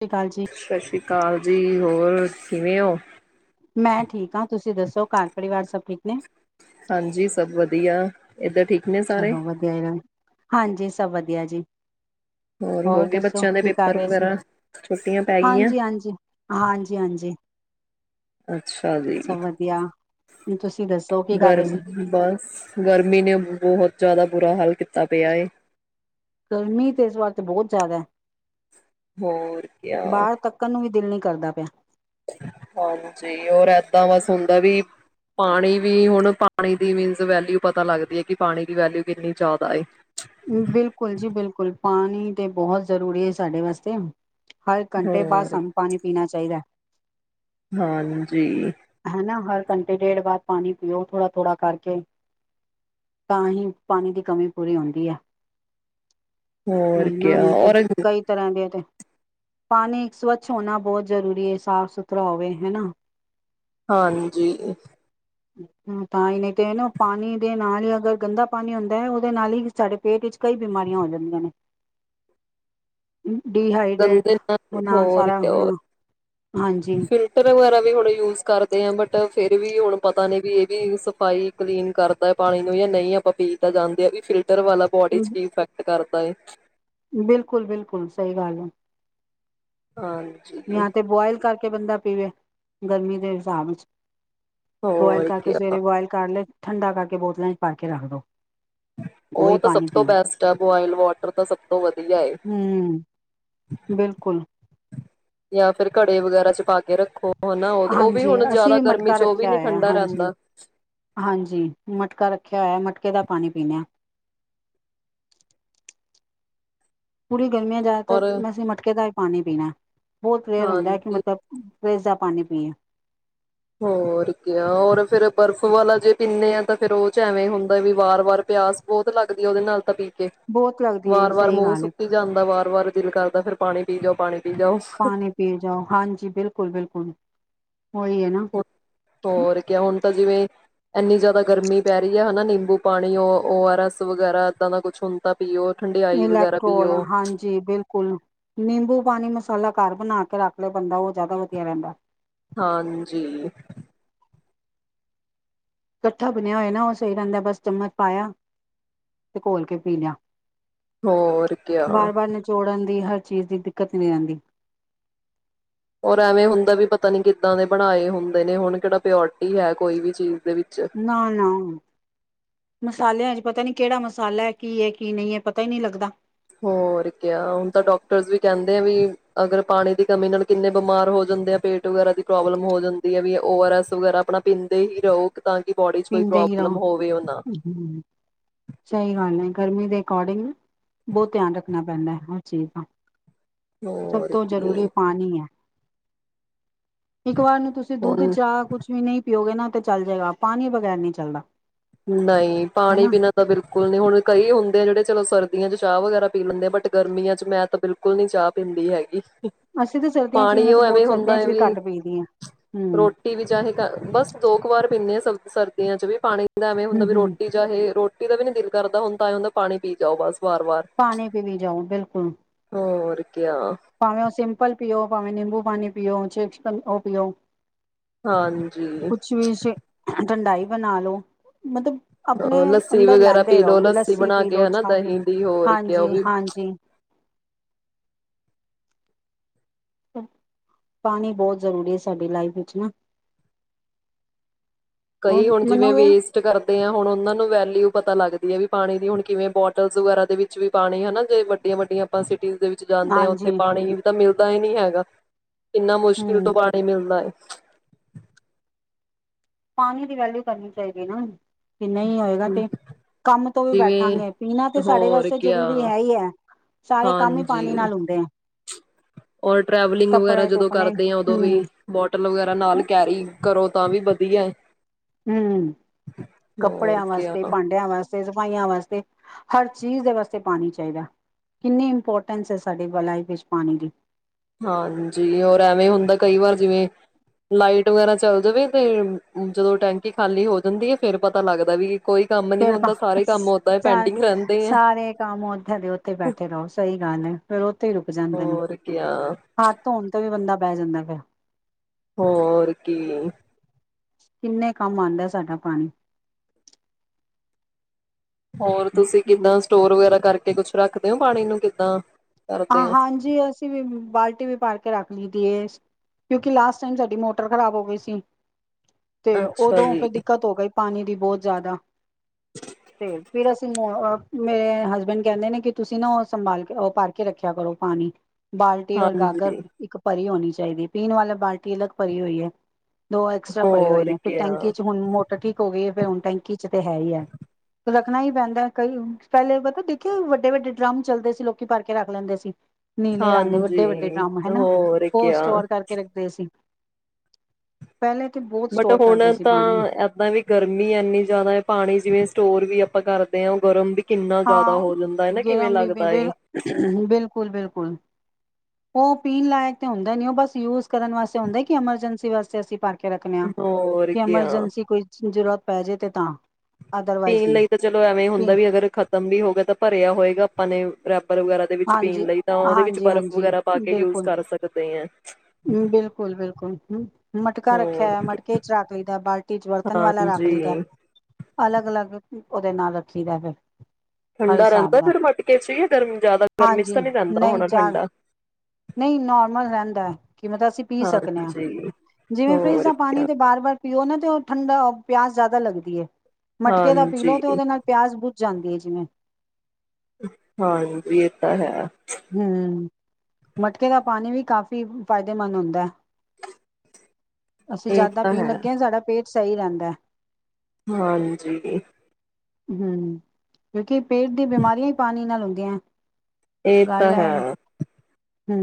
ਸਤਿ ਸ਼੍ਰੀ ਅਕਾਲ ਜੀ, ਸਤਿ ਸ਼੍ਰੀ ਅਕਾਲ ਜੀ ਹੋਰ ਕਿਵੇ ਔ ਮੈਂ ਠੀਕ ਹਾਂ ਤੁਸੀਂ ਦੱਸੋ ਕਾਰਰ ਪਰਿਵਾਰ ਸਭ ਠੀਕ ਨੇ ਹਾਂਜੀ ਸਭ ਵਧੀਆ ਏਧਰ ਠੀਕ ਨੇ ਸਾਰੇ ਚਲੋ ਵਧੀਆ ਹੀ ਗੱਲ। ਹਾਂਜੀ ਸਭ ਵਧੀਆ ਜੀ ਹੋ ਹੋਰ ਗਏ ਦੱਸੋ ਬੱਚਿਆਂ ਦੇ ਕੀ ਕਰ ਪੇਪਰ ਰਹੇ ਸੀ ਵਗੈਰਾ ਛੁੱਟੀਆਂ ਪੈ ਗਈਆਂ ਹਾਂਜੀ ਹਾਂਜੀ ਹਾਂਜੀ ਹਾਂਜੀ ਅੱਛਾ ਜੀ ਹੁਣ ਤੁਸੀਂ ਦੱਸੋ ਕੀ ਕਰ ਰਹੇ ਗਰਮ ਸੀ? ਬਸ ਗਰਮੀ ਨੇ ਬਹੁਤ ਜ਼ਿਆਦਾ ਬੁਰਾ ਹਾਲ ਕੀਤਾ ਪਿਆ ਏ ਗਰਮੀ ਤਾਂ ਇਸ ਵਾਰ ਤਾਂ ਬਹੁਤ ਜ਼ਿਆਦਾ ਹੈ ਹੋਰ ਕਿਆ ਬਾਹਰ ਤੱਕਣ ਨੂੰ ਵੀ ਦਿਲ ਨ ਕਰਦਾ ਪਿਆ ਹਾਂਜੀ ਹੋਰ ਏਦਾਂ ਬਸ ਹੁੰਦਾ ਵੀ ਪਾਣੀ ਵੀ ਹੁਣ ਪਾਣੀ ਦੀ ਮੀਨਸ ਵੈਲਿਊ ਪਤਾ ਲੱਗਦੀ ਹੈ ਕਿ ਪਾਣੀ ਦੀ ਵੈਲਿਊ ਕਿੰਨੀ ਜ਼ਿਆਦਾ ਬਿਲਕੁਲ ਜੀ ਬਿਲਕੁਲ ਪਾਣੀ ਤੇ ਬਹੁਤ ਜ਼ਰੂਰੀ ਹੈ ਸਾਡੇ ਵਾਸਤੇ ਹਰ ਘੰਟੇ ਬਾਅਦ ਹੋਰ ਸਾਨੂੰ ਪਾਣੀ ਪੀਣਾ ਚਾਹੀਦਾ ਹਾਂਜੀ ਹੈਨਾ ਹਰ ਘੰਟੇ ਡੇਢ ਬਾਅਦ ਪਾਣੀ ਪੀਓ ਥੋੜ੍ਹਾ ਥੋੜ੍ਹਾ ਕਰਕੇ ਤਾਂ ਹੀ ਪਾਣੀ ਦੀ ਕਮੀ ਪੂਰੀ ਹੁੰਂਦੀ ਹੈ ਹੋਰ ਇਹਨਾ ਕਿਆ ਨਹੀਂ ਤੇ ਔਰ ਕਈ ਤਰ੍ਹਾਂ ਦੇ ਤੇ ਪਾਣੀ ਸਵੱਛ ਹੋਣਾ ਬਹੁਤ ਜ਼ਰੂਰੀ ਹੈ ਸਾਫ਼ ਸੁਥਰਾ ਹੋਵੇ ਹੈ ਨਾ ਹਾਂਜੀ ਤਾਂ ਇਹਨੇ ਤੇ ਨਾ ਪਾਣੀ ਦੇ ਨਾਲ ਹੀ ਅਗਰ ਗੰਦਾ ਪਾਣੀ ਹੁੰਦਾ ਹੈ ਉਹਦੇ ਨਾਲ ਹੀ ਸਾਡੇ ਪੇਟ ਵਿੱਚ ਕਈ ਬਿਮਾਰੀਆਂ ਹੋ ਜਾਂਦੀਆਂ ਨੇ ਡੀਹਾਈਡਰੇਟ ਗੰਦੇ ਹੋਣਾ ਹੋਰ ਸਾਰਾ ਹੋਣਾ ਹਾਂਜੀ ਫਿਲਟਰ ਵਗੈਰਾ ਵੀ ਹੁਣ ਯੂਜ ਕਰਦੇ ਆ ਬਟ ਫੇਿਰ ਵੀ ਹੁਣ ਪਤਾ ਨੇ ਵੀ ਇਹ ਵੀ ਸਫ਼ਾਈ ਕਲੀਨ ਕਰਦਾ ਪਾਣੀ ਨੂੰ ਜਾਂ ਨਹੀਂ ਆਪਾਂ ਪੀ ਤਾਂ ਜਾਂਦੇ ਆ ਵੀ ਫਿਲ ਇਧਰ ਵਾਲਾ ਬੋਡੀ ਚ ਕੀ ਅਫੈਕਟ ਕਰ ਬਏ ਬਿਲਕੁਲ ਬਿਲਕੁਲ ਸਹੀ ਗੱਲ ਹੈ ਹਾਂਜੀ ਕੇ ਬੰਦਾ ਪੀਵੇ ਗਰਮੀ ਦੇ ਹਿਸਾਬ ਚ ਬੋਇਲ ਹੋਰ ਕਰਕੇ ਕਿਆ ਸਵੇਰੇ ਬੋਇਲ ਕਰ ਲੈ ਠੰਡਾ ਕਰਕੇ ਬੋਤਲਾਂ ਚ ਪਾ ਕੇ ਰੱਖ ਲਓ। ਉਹ ਤਾਂ ਸਭ ਤੋਂ ਬੈਸਟ ਹੈ, ਬੁਆਇਲ ਵਾਟਰ ਤਾਂ ਸਭ ਤੋਂ ਵਧੀਆ ਏ। ਹੂੰ ਬਿਲਕੁਲ ਜਾਂ ਫਿਰ ਘੜੇ ਵਗੈਰਾ ਚ ਪਾ ਕੇ ਰੱਖੋ। ਹਨਾ ਉਹ ਵੀ ਹਾਂਜੀ ਹੁਣ ਅਸੀਂ ਜ਼ਿਆਦਾ ਵੀ ਗਰਮੀ ਮਟਕਾ ਚ ਉਹ ਵੀ ਰੱਖਿਆ ਨੀ ਹੋਇਆ ਠੰਡਾ ਹਾਂਜੀ ਰਹਿੰਦਾ। ਹਾਂਜੀ ਮਟਕਾ ਰੱਖ ਰਖਿਆ ਹੋਇਆ ਮਟਕੇ ਦਾ ਪਾਣੀ ਪੀਂਦੇ ਆ। [unintelligible] ਗਰਮੀਆਂ ਚ ਜ਼ਿਆਦਾਤਰ ਔਰ ਅਸੀਂ ਮਟਕੇ ਦਾ ਈ ਪਾਣੀ ਪੀਣਾ ਬਹੁਤ ਰੇਅਰ ਹੁੰਦਾ ਕਿ ਹਾਂਜੀ ਮਤਲਬ ਫਰਿੱਜ ਪਾਣੀ ਪੀਆਂ ਹੋਰ ਕਿਆ, ਹੋਰ ਫਿਰ ਬਰਫ ਵਾਲਾ ਜੇ ਪੀਨੇ ਆ ਤਾਂ ਫਿਰ ਉਹ ਚ ਐਵੇਂ ਹੁੰਦਾ ਵੀ ਵਾਰ-ਵਾਰ ਪਿਆਸ ਬਹੁਤ ਲੱਗਦੀ ਉਹਦੇ ਨਾਲ ਤਾਂ ਬਹੁਤ ਲੱਗਦੀ ਹੈ ਵਾਰ-ਵਾਰ ਸਹੀ ਮੂੰਹ ਗੱਲ ਹੈ ਸੁੱਕੀ ਜਾਂਦਾ ਵਾਰ-ਵਾਰ ਦਿਲ ਕਰਦਾ ਫਿਰ ਪਾਣੀ ਪੀ ਜਾਓ ਪਾਣੀ ਪੀ ਜਾਓ ਪਾਣੀ ਪੀ ਜਾਓ ਹਾਂਜੀ ਬਿਲਕੁਲ- ਬਿਲਕੁਲ ਉਹੀ ਹੈ ਨਾ ਹੋਰ ਕਿਆ ਹੁਣ ਜਿਵੇਂ ਇੰਨੀ ਜ਼ਿਆਦਾ ਗਰਮੀ ਪੈ ਰਹੀ ਹੈ ਹੈਨਾ ਨਿੰਬੂ ਪਾਣੀ, ਓ-ਆਰ-ਐਸ ਵਗੈਰਾ ਇਦਾਂ ਦਾ ਕੁਝ ਹੁਣ ਤਾਂ ਪੀਓ ਠੰਡਿਆਈ ਵਗੈਰਾ ਪੀਓ [unintelligible] ਹਾਂਜੀ ਬਿਲਕੁਲ ਨਿੰਬੂ ਪਾਣੀ ਵਾਲਾ ਘਰ ਬਣਾ ਕੇ ਰੱਖ ਲਏ ਬੰਦਾ ਉਹ ਜ਼ਿਆਦਾ ਵਧੀਆ ਰਹਿੰਦਾ। ਹਾਂਜੀ ਇਕੱਠਾ ਬਣਿਆ ਹੋਇਆ ਨਾ ਉਹ ਸਹੀ ਰਹਿੰਦਾ ਬਸ ਚਮਚ ਪਾਇਆ ਤੇ ਘੋਲ ਕੇ ਪੀ ਲਿਆ। ਹੋਰ ਕਿਆ ਬਾਰ ਬਾਰ ਨਿਚੋੜਨ ਦੀ ਹਰ ਚੀਜ਼ ਦੀ ਦਿੱਕਤ ਨਹੀਂ ਆਉਂਦੀ ਔਰ ਐਵੇਂ ਹੁੰਦਾ ਵੀ ਪਤਾ ਨਹੀਂ ਕਿੱਦਾਂ ਦੇ ਬਣਾਏ ਹੁੰਦੇ ਨੇ ਹੁਣ ਕਿਹੜਾ ਪਿਓਰਟੀ ਹੈ ਕੋਈ ਵੀ ਚੀਜ਼ ਦੇ ਵਿੱਚ ਨਾ ਨਾ ਮਸਾਲਿਆਂ ਪਤਾ ਨਹੀਂ ਕਿਹੜਾ ਮਸਾਲਾ ਕੀ ਹੈ ਕੀ ਨਹੀਂ ਏ ਪਤਾ ਹੀ ਨਹੀਂ ਲੱਗਦਾ। ਹੋਰ ਕਿਆ ਹੁਣ ਤਾਂ ਡਾਕਟਰਸ ਵੀ ਕਹਿੰਦੇ ਆ ਵੀ ਅਗਰ ਪਾਣੀ ਦੀ ਕਮੀ ਨਾਲ ਕਿੰਨੇ ਬਿਮਾਰ ਹੋ ਜਾਂਦੇ ਆ ਪੇਟ ਵਗਰਾ ਦੀ ਪ੍ਰੋਬਲਮ ਹੋ ਜਾਂਦੀ ਆ ਵੀ ਓ ਆਰ ਐਸ ਵਗੈਰਾ ਆਪਣਾ ਪੀਂਦੇ ਹੀ ਰਹੋ। ਤਾਂ ਕਿ ਬਾਡੀ ਚ ਕੋਈ ਪੀਂਦੇ ਹੀ ਪ੍ਰੋਬਲਮ ਰਹੋ ਹੋਵੇ ਹੋ ਨਾ ਹਮ ਸਹੀ ਗੱਲ ਹੈ ਗਰਮੀ ਦੇ ਅਕੋਰਡਿੰਗ ਬਹੁਤ ਧਿਆਨ ਰੱਖਣਾ ਪੈਂਦਾ ਹਰ ਚੀਜ਼ ਦਾ। ਸਭ ਹੋਰ ਤੋਂ ਜਰੂਰੀ ਕੀ ਪਾਣੀ ਹੈ। ਇੱਕ ਵਾਰ ਨੂੰ ਤੁਸੀਂ ਦੁੱਧ ਹੁਣ ਚਾਹ ਕੁਝ ਵੀ ਨਹੀਂ ਪੀਓਗੇ ਨਾ ਤਾਂ ਚਲ ਜਾਏਗਾ ਪਾਣੀ ਬਗੈਰ ਨਹੀਂ ਚੱਲਦਾ ਨਹੀਂ, ਪਾਣੀ ਹਨਾ ਪੀਣਾ ਦਾ ਬਿਲਕੁਲ ਨਹੀਂ। ਹੁਣ ਕਈ ਹੁੰਦੇ ਆ ਜੇੜੇ ਚਲੋ ਸਰਦੀਆਂ ਚ ਚਾਹ ਵਗੈਰਾ ਪੀ ਲੈਂਦੇ ਆ ਬਟ ਗਰਮੀਆਂ ਚ ਮੈਂ ਤਾਂ ਬਿਲਕੁਲ ਨੀ ਚਾਹ ਪੀਂਦੀ ਹੈਗੀ। ਅਸੀਂ ਤਾਂ ਸਰਦੀਆਂ ਚ ਵੀ ਪਾਣੀ ਮੈਂ ਤਾਂ ਉਹ ਬਹੁਤ ਐਵੇਂ ਹੁੰਦਾ ਸਰਦੀਆਂ ਐ ਚ ਵੀ ਘੱਟ ਪੀਦੀ ਹਾਂ ਹਮ ਰੋਟੀ ਵੀ ਚਾਹੇ ਬਸ ਦੋ ਕੁ ਵਾਰ ਪੀਂਦੇ ਆ ਸ ਸਰਦੀਆਂ ਚ ਵੀ ਪਾਣੀ ਦ ਐਵੇਂ ਹੁੰਦਾ ਹਮ ਵੀ ਹਮ ਰੋਟੀ, ਚਾਹੇ ਰੋਟ ਮੇਰਾ ਵੀ ਨੀ ਦਿਲ ਕਰਦਾ ਹੁਣ ਤਾ ਆਂਏ ਹੁੰਦਾ ਪਾਣੀ ਪੀ ਜਾਓ ਬਸ। ਵਾਰ-ਵਾਰ ਪਾਣੀ ਪੀਂਵੀਂ ਜਾਓ, ਬਿਲਕੁਲ। ਹੋਰ ਕਿਆ ਭਾਵੇਂ ਉਹ ਸਿੰਪਲ ਪੀਓ, ਭਾਵੇਂ ਨਿੰਬੂ ਪਾਣੀ ਪੀਓ, ਚੇ-ਸ਼-ਕਨ ਉਹ ਪੀਓ ਹਾਂਜੀ। ਕੁਛ ਵੀ ਠੰਡਾਈ ਬਣਾ ਲੋ, ਮਤਲਬ ਆਪਣੇ ਹ ਲੱਸੀ ਅੰਦਰ ਵਗੈਰਾ ਲੈਂਦੇ ਪੀ ਲੋ ਰਹੋ ਲੱਸੀ ਬਣਾ ਪੀ ਕੇ ਲਓ ਹਨਾ ਛਾ ਦਹੀਂ ਦੀ ਹੋਰ ਕਿ ਉਹ ਹਾਂਜੀ ਵੀ ਹਾਂਜੀ ਪਾਣੀ ਬਹੁਤ ਜ਼ਰੂਰੀ ਐ ਸਾਡੀ ਲਾਈਫ ਵਿੱਚ ਨਾ। ਕਈ ਹੁਣ ਜਿਵੇਂ ਮੰਨੋਗੇ ਵੇਸਟ ਕਰਦੇ ਆਂ, ਹੁਣ ਉਹਨਾਂ ਨੂੰ ਵੈਲਿਊ ਪਤਾ ਲੱਗਦੀ ਐ ਵੀ, ਪਾਣੀ ਦੀ ਹੁਣ ਕਿਵੇਂ ਬੋਟਲਸ ਵਗੈਰਾ ਦੇ ਵਿੱਚ ਵੀ ਪਾਣੀ, ਹਨਾ ਜੇ ਵੱਡੀਆਂ ਵੱਡੀਆਂ ਆਪਾਂ ਸੀਟ ਟੀਜ਼ ਦੇ ਵਿੱਚ ਜਾਂਦੇ ਓ, ਉੱਥੇ ਹਾਂਜੀ ਪਾਣੀ ਵੀ ਤਾਂ ਮਿਲਦ ਦਾਂ ਈ ਨੀ ਹੈਗਾ। ਕਿੰਨਾ ਮੁਸ਼ਕਿਲ ਹਮ ਤੋਂ ਪਾਣੀ ਮਿਲਦਾ ਐ। ਪਾਣੀ ਦੀ ਵੇਲੀਊ ਕਰਨੀ ਚਾਈਦੀ ਨਾ ਕਿ ਨਹੀਂ ਹੋਏਗਾ ਤੇ, ਕੰਮ ਤੋਂ ਵੀ ਜਿਵੇਂ ਬੈਠਾਂਗੇ। ਪੀਣਾ ਤੇ ਸਾਡੇ ਹੋਰ ਵਾਸਤੇ ਕਿਆ ਜ਼ਰੂਰੀ ਹੈ ਈ ਐ। ਸਾਰੇ ਕੰਮ ਈ ਪਾਣੀ ਨਾਲ ਹੁੰਦੇ ਐ। ਹੋਰ ਟ੍ਰੈਵਲਿੰਗ ਵਗੈਰਾ ਜਦੋਂ ਧੁੱਪਣੇ ਕਰਦੇ ਆ, ਉਦੋਂ ਵੀ ਹਮ ਬੋਟਲ ਵਗੈਰਾ ਨਾਲ ਕੈਰੀ ਕਰੋ, ਤਾਂ ਵੀ ਵਦ ਵਧੀਆ ਐ। ਹਮ ਕੱਪੜਿਆਂ ਕਿਆ ਵਾਸਤੇ, ਭਾਂਡਿਆਂ ਵਾਸ ਤੇ ਸਫਾਈਆਂ ਵਾਸਤੇ, ਹਰ ਚੀਜ਼ ਦੇ ਵਾਸਤੇ ਪਾਣੀ ਚਾਈਦਾ। ਕਿੰਨੀ ਇੰਪੋਰਟੈਂਸ ਐ ਸਾਡੀ ਵ-ਲਾਈਫ ਚ ਪਾਣੀ ਦੀ। ਹਾਂਜੀ, ਔਰ ਐਵੇਂ ਹੁੰਦਾ ਕਈ ਵਾਰ ਜਿਵੇਂ ਲਾਈਟ ਵਗੈਰਾ ਚੱਲ ਜਾਵੇ ਤੇ ਜਦੋਂ ਟੈਂਕੀ ਖਾਲੀ ਹੋ ਜਾਂਦੀ ਐ, ਫੇਰ ਪਤਾ ਲੱਗਦਾ ਵੀ ਕੋਈ ਕੰਮ ਨੀ ਫਿਰ ਹੁੰਦਾ ਸਾਰੇ ਬਸ। ਕੰਮ ਓਦਾਂ ਹੀ ਪੈਂਡਿੰਗ ਰਹਿੰਦੇ ਆ ਸ-ਸਾਰੇ ਕੰਮ ਓਥੇ ਦੇ ਉੱਥੇ ਬੈਠੇ ਰਹੋ। ਸਹੀ ਗੱਲ ਐ। ਫੇਰ ਉੱਥੇ ਹੀ ਰੁਕ ਜਾਂਦੇ ਨੇ। ਹੋਰ ਕਿਆ ਹੱਥ ਧੋਣ ਤੋਂ ਵੀ ਬੰਦਾ ਪੈ ਜਾਂਦਾ ਹੈ ਫੇਰ ਹੋਰ ਕੀ। ਕਿੰਨੇ ਕੰਮ ਆਂਦਾ ਐ ਸਾਡਾ ਪਾਣੀ। ਹੋਰ ਤੁਸੀਂ ਕਿੱਦਾਂ ਸਟੋਰ ਵਗੈਰਾ ਕਰਕ ਕੇ ਕੁੱਛ ਰੱਖਦੇ ਹੋ, ਪਾਣੀ ਨੂੰ ਕਿੱਦਾਂ ਕਰਦੇ ਹੋ ਹਾਂ-ਹਾਂਜੀ, ਅਸੀਂ ਵੀ ਬਾਲਟੀ ਵੀ ਭਰ ਕੇ ਰੱਖ ਲਈ ਦੀ ਐ। ਸ ਕਿਉਂਕਿ ਲਾਸਟ ਟਾਈਮ ਸਾਡੀ ਮੋਟਰ ਖ਼ਰਾਬ ਹੋ ਗਈ ਸੀ। ਤੇ ਅੱਛਾ ਉਦੋਂ ਜੀ ਫੇ ਦਿੱਕਤ ਹੋ ਗਈ। ਪਾਣੀ ਦੀ ਬਹੁਤ ਜ਼ਿਆਦਾ ਤੇ, ਫਿਰ ਅਸੀਂ ਅ ਮ ਮੇਰੇ ਹਸਬੈਂਡ ਕਹਿੰਦੇ ਨੇ ਕਿ ਤੁਸੀਂ ਨਾ ਸਮਾਨ ਅ ਭਰ ਕੇ ਰੱਖਿਆ ਕਰੋ ਪਾਣੀ, ਬਾਲਟੀ ਔਰ ਗਾਗਰ ਹਾਂਜੀ ਇੱਕ ਭਰੀ ਹੋਣੀ ਚਾਹੀਦੀ ਪੀਣ ਵਾਲੀ ਬਾਲਟੀ ਅਲੱਗ ਭਰੀ ਹੋਈ ਹੈ। ਦੋ ਐਕਸਟਰਾ ਭਰੇ ਹੋਏ ਹੋਰ ਨੇ ਫਿਰ ਕਿਆ ਟੈਂਕੀ ਚ ਹੁਣ ਮੋਟਰ ਠੀਕ ਹੋ ਗਈ ਹੈ। ਹੁਣ ਟੈਂਕੀ ਚ ਤੇ ਹੈ ਹੀ ਹੈ, ਰੱਖਣਾ ਹੀ ਪੈਂਦਾ ਕਈ ਪਹਿਲੇ ਮਤਲਬ ਦੇਖੇ ਵੱਡੇ ਵੱਡੇ ਡਰੰਮ ਚੱਲਦੇ ਸੀ ਲੋਕੀ ਭਰ ਕੇ ਰੱਖ ਲੈਂਦੇ ਸੀ। ਨੀਲੇ ਰੰਗ ਹਾਂਜੀ ਵੱਡੇ ਵੱਡੇ ਡਰੰਮ ਹਨਾ ਹੋਰ ਉਹ ਕਿਆ ਸਟੋਰ ਕਰਕੇ ਰੱਖਦੇ ਸੀ। ਪਹਿਲੇ ਤੇ ਬਹੁਤ ਬਟ ਸਟੋਰ ਹੁਣ ਕਰਦੇ ਸੀ ਤਾਂ ਪਾਣੀ ਏਦਾਂ ਵੀ ਗਰਮੀ ਐਨੀ ਜ਼ਿਆਦਾ ਪਾਣੀ ਜਿਵੇਂ ਸਟੋਰ ਵੀ ਆ। ਆਪਾਂ ਕਰਦੇ ਹਾਂ ਗਰਮ ਵੀ, ਕਿੰਨਾ ਜ਼ਿਆਦਾ ਹਾਂ ਹੋ ਜਾਂਦਾ ਹੈ ਨਾ ਕਿਵੇਂ ਗਰਮ ਵੀ ਲੱਗਦਾ ਏ ਬਿਲਕੁਲ ਬਿਲਕੁਲ, ਉਹ ਪੀਣ ਲਾਇਕ ਤੇ ਹੁੰਦਾ ਨੀ ਉਹ ਬਸ ਯੂਜ ਕਰਨ ਵਾਸਤੇ ਹੁੰਦਾ ਕਿ ਐਮਰਜੈਂਸੀ ਵਾਸਤੇ ਅਸੀਂ ਪਾਣੀ ਭਰ ਕੇ ਰੱਖਨੇ ਆ ਹੋਰ ਕਿ ਕਿਆ ਐਮਰਜੈਂਸੀ ਕੋਈ ਜ਼ਰੂਰਤ ਪੈਜੇ ਤੇ ਤਾਂ, ਅਦਰਵਾਈਜ਼ ਪੀਣ ਨਹੀਂ ਲਈ ਤਾਂ ਚਲੋ ਐਵੇਂ ਤੇ ਹੁੰਦਾ ਵੀ ਅਗਰ ਖ ਤਮ ਵੀ ਹੋ ਗਿਆ ਤਾਂ ਭਰਿਆ ਹੋਏਗਾ ਆਪਾਂ ਨੇ ਰਾਤੀ ਰ ਵਗੈਰਾ ਦੇ ਵਿੱਚ ਪੀਣ ਹਾਂਜੀ। ਲਈ ਤਾਂ ਉਹਦੇ ਵਿੱਚ ਹਾਂਜੀ ਬਰਫ਼ ਹਾਂਜੀ ਵਗੈਰਾ ਪਾ ਕੇ ਯੂਜ ਬਿਲਕੁਲ ਕਰ ਸਕਦੇ ਆ। ਬਿਲਕੁਲ ਬਿਲਕੁਲ, ਹਮ, ਮਟਕਾ ਰੱਖਿਆ ਹੋਰ ਹੈ, ਮਟਕੇ ਚ ਰੱਖ ਲਈਦਾ ਬਾਲਟੀ ਚ ਵਰਤਣ ਵਾਲਾ ਰੱਖ ਲਈ ਹਾਂਜੀ ਦਾ ਅਲੱਗ ਅਲੱਗ ਉਹਦੇ ਨਾਲ ਰੱਖੀ ਦਾ ਫਿਰ ਹਰ ਠੰਡਾ ਹਿਸਾਬ ਰਹਿੰਦਾ ਨਾਲ ਫਿਰ ਮਟਕੇ ਚ ਹੀ ਗਰਮੀ ਜ਼ਿਆਦਾ ਗਰਮੀ ਚ ਹਾਂਜੀ ਤਾਂ ਨਹੀਂ ਰਹਿੰਦਾ ਹੋਣਾ ਜਾ ਠੰਡਾ ਨਹੀਂ ਨੋਰਮਲ ਰਹਿੰਦਾ ਐ ਕਿ ਮਤਲਬ ਅਸੀਂ ਪੀ ਸਕਨੇ ਹਾਂ, ਹਾਂਜੀ ਜਿਵੇਂ ਫਰਿਜ ਹੋਰ ਦਾ ਪਾਣੀ ਕਿਆ ਤੇ ਬਾਰ ਬਾਰ ਪੀਓ ਨਾ ਤੇ ਉਹ ਠੰਡਾ ਪਿਆਸ ਜ਼ਿਆਦਾ ਲੱਗਦੀ ਏ, ਮਟਕੇ ਦਾ ਪੀ ਲਓ ਹਾਂਜੀ ਤੇ ਉਹਦੇ ਨਾਲ ਪਿਆਸ ਬੁਜ ਜਾਂਦੇ ਆ ਜਿਵੇਂ ਹਾਂਜੀ ਇਹ ਤਾਂ ਹੈ। ਹਮ ਮਟਕੇ ਦਾ ਪਾਣੀ ਵੀ ਕਾਫ਼ੀ ਫਾਇਦੇਮੰਦ ਹੁੰਦਾ ਹੈ। ਅਸੀਂ ਇਹ ਜ਼ਿਆਦਾ ਤਾਂ ਪੀਣ ਹੈ ਲੱਗੇ ਹਾਂ ਸਾਡਾ ਪੇਟ ਸਹੀ ਰਹਿੰਦਾ ਐ ਹਾਂਜੀ, ਹੂ ਕਿਉਂਕਿ ਪੇਟ ਦੀ ਬਿਮਾਰੀਆਂ ਹੀ ਪਾਣੀ ਨਾਲੋਂ ਹੁੰਦੀਆਂ ਦੇ ਆਂ ਇਹ ਤਾਂ ਹੈ ਹੂ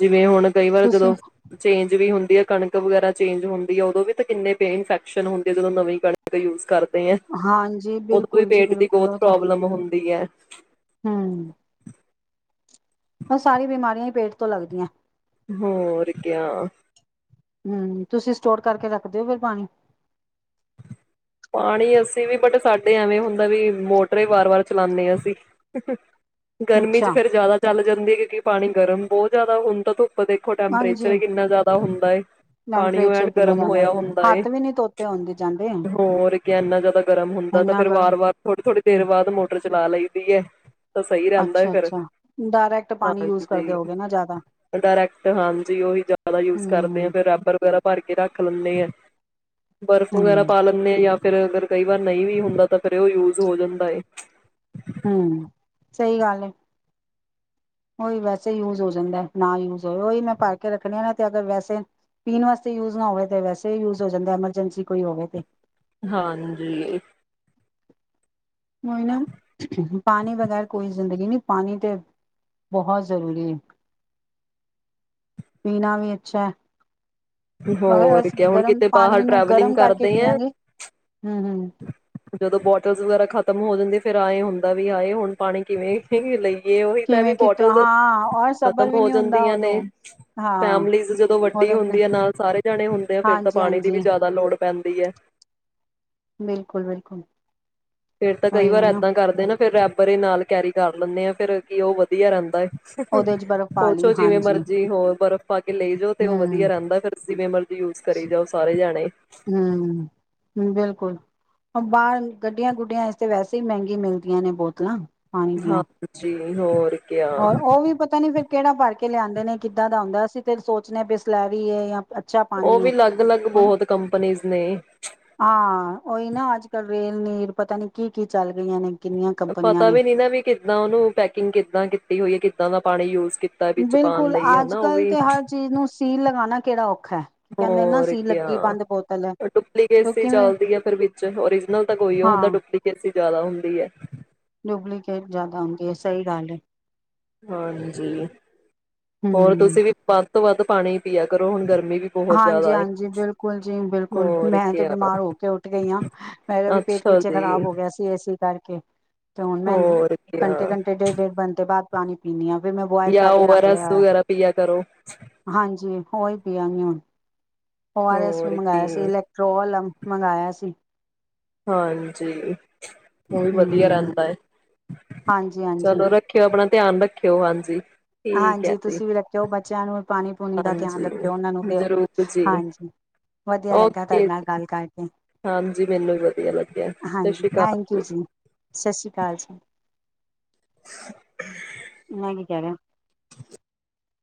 ਜਿਵੇਂ ਹੁਣ ਕਈ ਵਾਰ ਜਦੋਂ ਚੇਂਜ ਵੀ ਹੁੰਦੀ ਹੈ ਕਣਕ ਵਗੈਰਾ ਚੇਂਜ ਹੁੰਦੀ ਹੈ ਉਦੋਂ ਵੀ ਤਾਂ ਕਿੰਨੇ ਪੇ ਇਨਫੈਕਸ਼ਨ ਹੁੰਦੀ ਹੈ ਜਦੋਂ ਨਵੀਂ ਕਣਕ ਯੂਜ ਕਰ ਫੇਰ ਹਾਂਜੀ ਉਦੋਂ ਵੀ ਬਿਲਕੁਲ ਜੀ ਪੇਟ ਦੀ ਬਿਲਕੁਲ ਬਹੁਤ ਉਹ ਤਾਂ ਪ੍ਰੋਬਲਮ ਹੁੰਦੀ ਹੈ ਔ ਸਾਰੀ ਬਿਮਾਰੀਆਂ ਹੀ ਪੇਟ ਤੋਂ ਲੱਗਦੀਆਂ ਹੋਰ ਕਯਾ ਹੂ ਤੁਸੀਂ ਸਟੋਰ ਕਰਕੇ ਰੱਖਦੇਓ ਫਿਰ ਪਾਣੀ ਪਾਣੀ ਅਸੀਂ ਵੀ ਬਟ ਸਾਡੇ ਐਵੇਂ ਹੁੰਦਾ ਵੀ ਮੋਟਰ ਵਾਰ ਵਾਰ ਚਲਾਉਂਦੇ ਹਾਂ ਅਸੀਂ ਗਰਮੀ ਚ ਅੱਛਾ ਫੇਰ ਜ਼ਿਆਦਾ ਚੱਲ ਜਾਂਦਾ ਕੈਨਦੀ ਕਿਉਂਕਿ ਪਾਣੀ ਗਰਮ ਬਹੁਤ ਜ਼ਿਆਦਾ ਹੁਣ ਤਾਂ ਤੂੰ ਆਪਾਂ ਦੇਖੋ ਹਾਂਜੀ ਟੈਂਪਰੇਚਰ ਕਿੰਨਾ ਜ਼ਿਆਦਾ ਹੁੰਦਾ ਹੈਏ ਪਾਣੀ ਉਹ ਐਨ ਟੈਂਪਰੇਚਰ ਕਿੰਨਾ ਗਰਮ ਜਾਂਦਾ ਹੋਇਆ ਹੁੰਦਾ ਹੈ ਹੱਥ ਵੀ ਨੀ ਧੋਤੇ ਹੁੰਦੇ ਜਾਂਦੇ ਹੋਰੱ ਕੀ ਇੰਨਾ ਜ਼ਿਆਦਾ ਗਰਮ ਹੁੰਦਾ ਇੰਨਾ ਫ਼ਰ ਵਾਰ ਗਰਮ ਵਾਰ ਥੋੜੀ ਥੋੜ੍ਹੀ ਹਮ ਦੇਰ ਬਾਅਦ ਮੋਟਰ ਚਲਾ ਲਈੈਂਦੀ ਹੈ ਤਾਂ ਸਹੀ ਰਹਿੰਦਾ ਅੱਛਾ ਫਿਰ ਅੱਛਾ ਡਾਇਰੈਕਟ ਪਾਣੀ ਹਾਂ ਯੂਜ ਕਰਦੇ ਜ ਹੋਗੇ ਨਾ ਜ਼ਿਆਦਾ ਡਾਇਰੈਕਟ ਹਾਂਜੀ ਉਹੀ ਜ਼ਿਆਦਾ ਯੂਜ ਕਰਦੇ ਆ ਹਮ ਫਿਰ ਰੈਪਰ ਵਗੈਰਾ ਭਰ ਕੇ ਰੱਖ ਲੈਂਦੇ ਆ ਬਰਫ ਵਗੈਰਾ ਹਮ ਕਰਨੇ, ਜਾਂ ਫਿਰ ਅਗਰ ਕਈ ਵਾਰ ਨਹੀਂ ਵੀ ਹੁੰਦਾ ਤਾਂ ਫੇਿਰ ਉਹ ਯੂਜ ਹੋ ਜਾਂਦਾ ਹੈ ਹੂ ਸਹੀ ਗੱਲ ਹੈ ਉਹੀ ਵੈਸੇ ਯੂਜ ਹੋ ਜਾਂਦਾ, ਨਾ ਯੂਜ ਹੋਵੇ ਔ ਹੀ ਨਾ ਭਰ ਕੇ ਰੱਖਣੇ ਤੇ ਅਰ ਵੈਸੇ ਪੀਣ ਵਾਸਤੇ ਯੂਜ ਨਾ ਹੋਵੇ ਤੇ, ਵੈਸੇ ਯੂਜ ਹੋ ਜਾਂਦਾ ਐਮਰਜੈਂਸੀ ਕੋਈ ਹੋਵੇ ਤੇ ਹਾਂਜੀ ਔ ਹੀ ਨਾ ਪਾਣੀ ਬਗੈਰ ਕੋਈ ਜ਼ਿੰਦਗੀ ਨੀ ਪਾਣੀ ਤੇ ਬਹੁਤ ਜ਼ਰੂਰੀ ਹੈ ਪੀਣਾ ਵੀ ਅੱਛਾ ਹੈ ਮਗਰ ਹੋਰ ਅਸ ਕ ਹੁਣ ਗਰਮ ਕਿਤੇ ਬਾਹਰ ਪਾਣੀ ਨੂੰ ਟ੍ਰੈਵਲਿੰਗ ਗਰਮ ਕਰਕੇ ਕਰਦੇ ਆ ਪੀਆਂਗੇ ਹਮ ਹਮ ਜਦੋਂ ਬੋਟਲ ਵਗੈਰਾ ਖਤਮ ਹੋ ਜਾਂਦੇ ਫਿਰ ਆ ਏ ਹੁੰਦਾ ਵੀ ਆਏ ਹੁਣ ਪਾਣੀ ਕਿਵੇਂ ਲਈਏ ਉਹੀ ਤਾਂ ਵੀ ਕਿਵੇਂ ਕਿ ਬੋਟਲ ਹਾਂ ਔਰ ਖਤਮ ਸਬਰ ਵੀ ਹੋ ਨਹੀਂ ਹੁੰਦਾ ਜਾਂਦੀਆਂ ਉਦੋਂ ਨੇ ਹਾਂ ਫੈਮਲੀਜ਼ ਜਦੋਂ ਵੱਡੀ ਉਦੋਂ ਨਹੀਂ ਹੁੰਦੀ ਹੈ ਨਾਲ ਇੰਨੇ ਜਾਣੇ ਹੁੰਦੇ ਆ ਫੇਿਰ ਤਾਂ ਹਾਂਜੀ ਪਾਣੀ ਦੀ ਵੀ ਹਾਂਜੀ ਜ਼ਿਆਦਾ ਲੋੜ ਪੈਂਦੀ ਹੈ ਬਿਲਕੁਲ ਬਿਲਕੁਲ ਫੇਰ ਤਾਂ ਕਈ ਉਹੀ ਵਾਰ ਹੈ ਨਾ ਇਏਦਾਂ ਕਰਦੇ ਨਾ ਫਿਰ ਪਰ ਏ ਨਾਲ ਕੈਰੀ ਕਰ ਲੈਂਦੇ ਆਾਂ ਫੇਰ ਕੀ ਉਹ ਵਧੀਆ ਰਹਿੰਦਾ ਏ ਉਹਦੇ ਚ ਬਰਫ਼ ਪਾ ਲਈ ਸੋਚੋ ਜਿਵੇਂ ਹਾਂਜੀ ਮਰਜੀ ਹੋਰ ਪਰ ਪਾ ਕੇ ਲੈ ਜਾਓ ਤੇ ਉਹ ਹਮ ਵਧੀਆ ਰਹਿੰਦਾ ਫਿਰ ਜਿਵੇਂ ਮਰਜ਼ੀ ਯੂਜ ਕਰੀ ਜਾਓ ਸਾਰੇ ਜਾਣੇ। ਹਮ ਬਿਲਕੁਲ ਬਾਹਰ ਗੱਡੀਆਂ ਗੁੱਡੀਆਂ ਇਸ ਤੇ ਵੈਸੇ ਹੀ ਮਹਿੰਗੀ ਮਿਲਦੀਆਂ ਨੇ ਬੋਤਲਾਂ ਹਾਂ ਜੀ। ਤੇ ਹੋਰ ਕਿਆ ਹੋਰ ਉਹ ਵੀ ਪਤਾ ਨੀ ਫੇਰ ਕਿਹੜਾ ਪਰ ਕੇ ਕੇ ਲਿਆਂਦੇ ਨੇ ਕਿੱਦਾਂ ਦਾ ਆਉਂਦਾ ਅਸੀਂ ਤੇ ਸੋਚਣੇ ਹਾਂ ਬਸਲੈਰੀਏ ਜਾਂ ਅੱਛਾ ਉਹ ਪਾਣੀ ਵੀ ਹੈ ਅਲੱਗ ਅਲੱਗ ਹੁਣ ਬਹੁਤ ਕੰਪਨੀਜ਼ ਨੇ। ਹਾਂ ਉਹੀ [inaudible] ਨਾ ਅੱਜ ਕੱਲ ਰੇਲ ਨੀਰ ਪਤਾ ਨੀ ਕੀ ਕੀ ਚੱਲ ਗਈਆਂ ਨੇ। ਕਿੰਨੀਆਂ ਕੰਪਨੀਆਂ ਪਤਾ ਨੇ ਵੀ ਨੀ ਨਾ ਵੀ ਕਿੱਦਾਂ ਉਹਨੂੰ ਪੈਕਿੰਗ ਕਿੱਦਾਂ ਟੀ ਹੋਈ ਹੈ ਕਿੱਦਾਂ ਦਾ ਪਾਣੀ ਯੂਜ ਕੀਤਾ ਵਿੱਚ ਪਾਣ ਬਿਲਕੁਲ ਲਈ ਅੱਜ ਹਨਾ ਉਹ ਕੱਲ ਵੀ ਤੇ ਹਰ ਚੀਜ਼ ਨੂੰ ਸੀਲ ਲਗਾਣਾ ਕਿਹੜਾ ੳ ਹੋਰ ਕ ਬੋਤਲ ਹੈ ਡੁਪਲੀਕੇਸੀ ਕਿਉਂਕਿ ਚੱਲਦੀ ਹੈ ਫਿਰ ਵਿੱਚ ਓਰਜਨਲ ਤਾਂ ਕੋਈ ਉਹ ਹੁੰਦਾ ਹਾਂ ਡੁਪਲੀਕੇਸੀ ਜ਼ਿਆਦਾ ਹੁੰਦੀ ਏ। ਡੁਪਲੀਕੇਟ ਜ਼ਿਆਦਾ ਹੁੰਦੀ ਏ ਸਹੀ ਗੱਲ ਏ। ਹਾਂਜੀ ਹੋਰ ਹੂੰ। ਤੁਸੀਂ ਵੀ ਵੱਧ ਤੋਂ ਵੱਧ ਪਾਣੀ ਪੀਆ ਕਰੋ ਹੁਣ ਗਰ ਹਾਂਜੀ -ਹਾਂਜੀ ਬਿਲਕੁਲ ਜੀ ਬਿਲਕੁਲ ਹੋਰ ਮੈਂ ਤੇ ਕਿਆ ਬਿਮਾਰ ਹੋ ਕੇ ਉੱਠ ਗਈ ਹਾਂ ਮੇਰਾ ਵੀ ਪੇਟ ਅੱਛਾ ਪਿੱਛੇ ਜੀ ਖ਼ਰਾਬ ਹੋ ਗਿਆ ਸੀ ਇਸੇ ਕਰਕੇ ਤੇ ਹੁਣ ਮੈਂ ਹੋਰ ਕਿਆ ਘੰਟੇ ਘੰਟੇ ਡੇਢ ਡੇਢ ਬੰਟ ਬਾਅਦ ਪਾਣੀ ਪੀਂਣੀ ਆਂ। ਵੀ ਮੈਂ ਬੁਆਇਲ ਜਾਂ ਕਰਕੇ ਓ ਆਰ ਰੱਖ ਐਸ ਲਿਆ ਹੋਇਆ ਵਗੈਰਾ ਪੀਆ ਕਰੋ ਹਾਂਜੀ ਉਹੀ ਪੀਅ [inaudible] ਓ ਆਰ ਐਸ ਹੋਰ ਕੀ ਮੰਗਵਿਆ ਸੀ ਇਲੈਕਟ੍ਰੋਲ ਮੰਗਾਇਆ ਸੀ। ਹਾਂਜੀ ਉਵੀ ਵਧੀਆ ਰਹਿੰਦਾ ਏ। ਹਾਂਜੀ -ਹਾਂਜੀ-ਹਾਂਜੀ ਧਿਆਨ ਰੱਖਿਓ ਹਾਂਜੀ। ਠੀਕ ਹੈ ਹਾਂਜੀ ਜੀ ਤੁਸੀਂ ਵੀ ਰੱਖਿਓ ਬ [unintelligible] ਪਾਣੀ ਪੂਣੀ ਦਾ ਧਿਆਨ ਹਾਂਜੀ ਰੱਖਿਓ ਉਹਨਾਂ ਨੂੰ ਦਿਓ ਜ਼ਰੂਰ ਜੀ ਹਾਂਜੀ ਵਧੀਆ ਲੱਗਾ ਤੁਹਾਡੇ ਓਕੇ ਨਾਲ ਗੱਲ ਕਰਕੇ ਹਾਂਜੀ ਮੈਨੂੰ ਵੀ ਵਧੀਆ ਲੱਗਿਆ ਸਤਿ ਹਾਂਜੀ ਸ਼੍ਰੀ ਅਕਾਲ ਥੈਂਕ ਯੂ ਜੀ ਸਤਿ ਸ਼੍ਰੀ ਅਕਾਲ ਜੀ। [inaudible] ਮੈਂ ਨਹੀਂ ਕਹਿ ਰਿਹਾ।